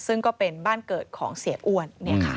ซึ่งก็เป็นบ้านเกิดของเสียอ้วน